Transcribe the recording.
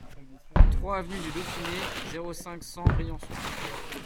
trois avenue du Dauphiné, zéro cinq, cent, Briançon